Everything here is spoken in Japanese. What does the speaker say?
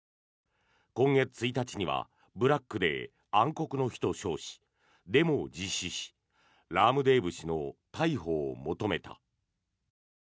今月１日にはブラックデー、暗黒の日と称しデモを実施しラームデーブ氏の逮捕を求めた。